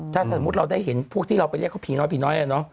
ถ้าสมมุติเราได้เห็นพวกที่เราไปเรียกเขาผีน้อยผีน้อย